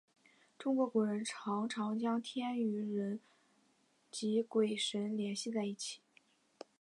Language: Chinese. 中国古人常常将人和天地及鬼神联系在一起。